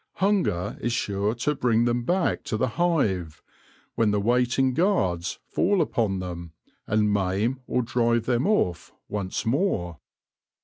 Hunger is sure to bring them back to the hive, when the waiting guards fall upon them, and maim or drive them off once more.